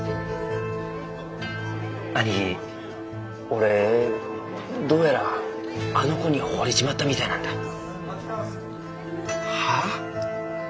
俺どうやらあの子にほれちまったみたいなんだ。はあ？